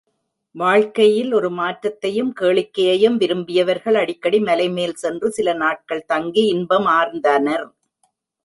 வாழ்க்கையில் ஒரு மாற்றத்தையும் கேளிக்கையையும் விரும்பியவர்கள், அடிக்கடி மலை மேல் சென்று சில நாட்கள் தங்கி இன்பமார்ந்தனர்.